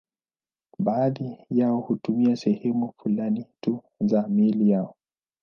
Baadhi yao hutumia sehemu fulani tu za miili yao.